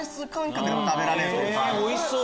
おいしそう！